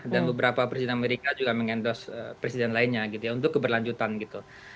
dan beberapa presiden amerika juga mengendorse presiden lainnya gitu ya untuk keberlanjutan gitu